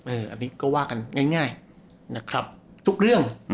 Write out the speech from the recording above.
อืมเอออันนี้ก็ว่ากันง่ายง่ายนะครับทุกเรื่องอืม